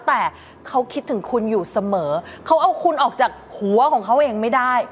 แต่เขาคิดถึงคุณอยู่เสมอเขาเอาคุณออกจากหัวของเขาเองไม่ได้